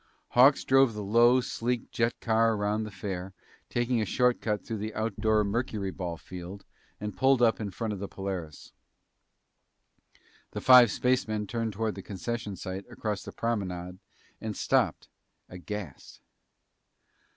Hawks drove the low, sleek jet car around the fair, taking a short cut through the outdoor mercuryball field and pulled up in front of the Polaris. The five spacemen turned toward the concession site across the promenade and stopped, aghast.